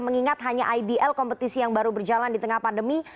mengingat hanya ibl kompetisi yang baru berjalan di tengah pandemi